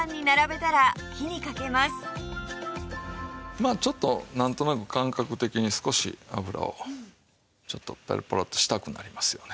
まあちょっとなんとなく感覚的に少し油をちょっとパラパラッとしたくなりますよね。